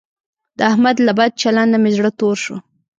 د احمد له بد چلنده مې زړه تور شو.